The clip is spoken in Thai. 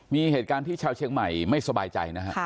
มีเหตุการณ์ที่ชาวเชียงใหม่ไม่สบายใจนะฮะ